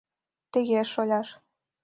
«Тыге, шоляш...